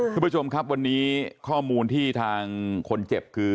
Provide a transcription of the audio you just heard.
คุณผู้ชมครับวันนี้ข้อมูลที่ทางคนเจ็บคือ